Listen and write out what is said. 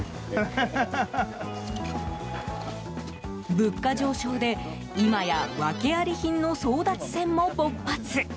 物価上昇で今や訳あり品の争奪戦も勃発。